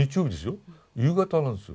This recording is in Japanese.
夕方なんですよ。